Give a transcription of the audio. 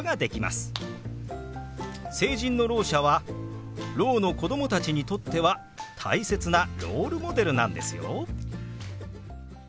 成人のろう者はろうの子供たちにとっては大切なロールモデルなんですよ。